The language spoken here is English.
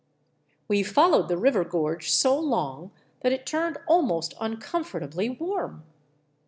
We followed the river gorge so long that it turned almost uncom fortably warm.